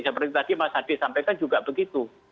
seperti tadi mas adi sampaikan juga begitu